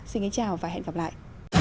xin chào và hẹn gặp lại